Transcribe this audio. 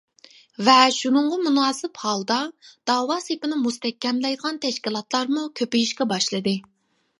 ۋە شۇنىڭغا مۇناسىپ ھالدا، داۋا سېپىنى مۇستەھكەملەيدىغان تەشكىلاتلارمۇ كۆپىيىشكە باشلىدى.